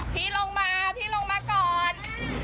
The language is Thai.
พี่ลงมาพี่ลงมาก่อน